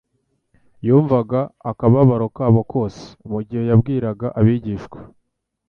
Yumvaga akababaro kabo kose mu gihe yabwiraga abigishwa